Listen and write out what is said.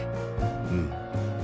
うん。